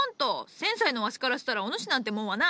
１，０００歳のわしからしたらお主なんてもんはな